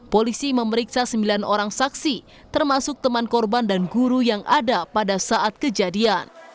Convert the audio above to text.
polisi memeriksa sembilan orang saksi termasuk teman korban dan guru yang ada pada saat kejadian